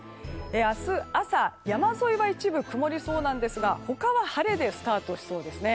明日朝、山沿いは一部曇りそうなんですが他は晴れでスタートしそうです。